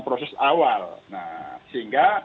proses awal nah sehingga